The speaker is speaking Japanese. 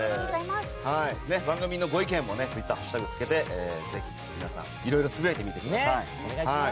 番組のご意見もツイッターハッシュタグをつけていろいろつぶやいてみてください。